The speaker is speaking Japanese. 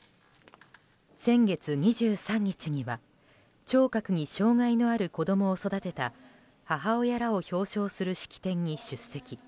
先月２３日には聴覚に障害のある子供を育てた母親らを表彰する式典に出席。